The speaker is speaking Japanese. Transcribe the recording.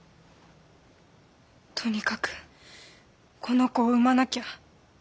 とにかくこの子を産まなきゃ。